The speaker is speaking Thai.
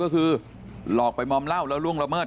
ก็คือหลอกไปมอมเหล้าแล้วล่วงละเมิด